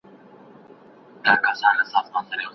د کره کتني کار تر عادي لوست سخت وي.